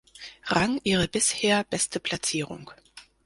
Rang ihre bisher beste Platzierung.